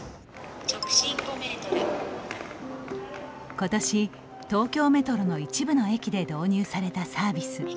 ことし、東京メトロの一部の駅で導入されたサービス。